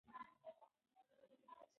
ته بايد هره ورځ منظم لمونځ وکړې.